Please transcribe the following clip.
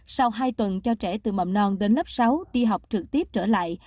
sau hai tuần cho trẻ từ mầm non đến lớp sáu đi học trực tiếp trở lại